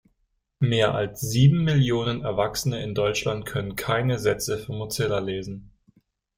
Mehr als sieben Millionen Erwachsene in Deutschland können keine Sätze für Mozilla lesen.